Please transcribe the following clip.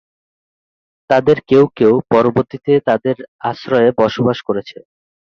তাদের কেউ কেউ পরবর্তীতে তার আশ্রয়ে বসবাস করেছে।